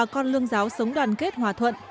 ba con lương giáo sống đoàn kết hòa thuận